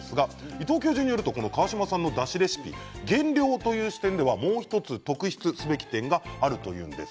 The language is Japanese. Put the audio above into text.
伊藤教授によると川島さんのだしレシピは減量という点ではもう１つ特筆すべき点があるというんです。